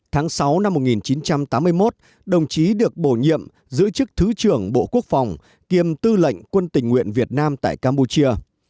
tháng sáu năm một nghìn chín trăm tám mươi một đồng chí được bổ nhiệm giữ chức thứ trưởng bộ quốc phòng kiêm tư lệnh quân tình nguyện việt nam tại campuchia